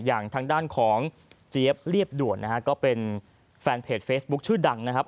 อย่างทางด้านของเจี๊ยบเรียบด่วนนะฮะก็เป็นแฟนเพจเฟซบุ๊คชื่อดังนะครับ